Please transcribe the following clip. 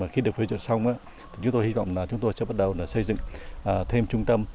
khi được phê duyệt xong chúng tôi hy vọng là chúng tôi sẽ bắt đầu xây dựng thêm trung tâm